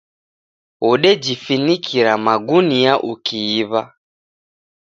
Wodejifinikira magunia ukiiw'a.